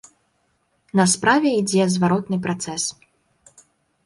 На справе ідзе зваротны працэс.